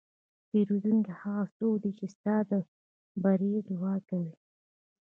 پیرودونکی هغه څوک دی چې ستا د بری دعا کوي.